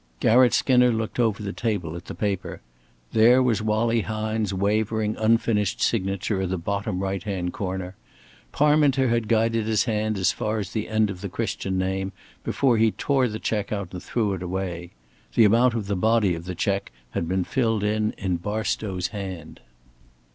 Garrett Skinner looked over the table at the paper. There was Wallie Hine's wavering, unfinished signature at the bottom right hand corner. Parminter had guided his hand as far as the end of the Christian name, before he tore the check out and threw it away. The amount of the body of the check had been filled in in Barstow's hand.